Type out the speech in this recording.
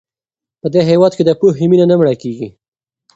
په دې هېواد کې د پوهې مینه نه مړه کېږي.